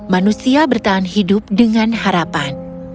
manusia bertahan hidup dengan harapan